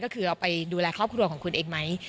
ก็คือเอาไปดูแลครอบครัวของคุณเองไหม